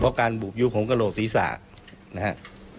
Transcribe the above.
เพราะการบูบยุของกระโหลกศีรษะนะฮะ